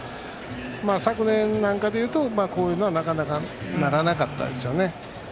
昨年なんかでいうとこうはなかなかならなかったです。